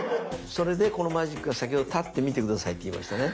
それでこのマジックが先ほど「立って見て下さい」って言いましたね。